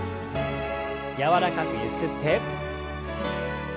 柔らかくゆすって。